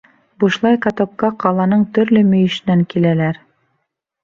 Бушлай катокка ҡаланың төрлө мөйөшөнән киләләр.